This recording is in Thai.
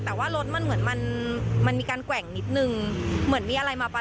แต่ว่ารถมันเหมือนมันมันมีการแกว่งนิดนึงเหมือนมีอะไรมาปัน